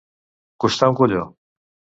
Costar un colló.